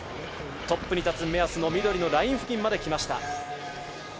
トップに立つ目安の緑のライン付近まで来ました。